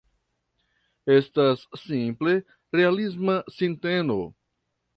Estas simple realisma sinteno.